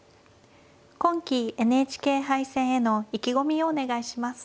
今期ＮＨＫ杯戦への意気込みをお願いします。